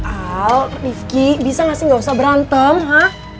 al rifki bisa gak sih gak usah berantem ha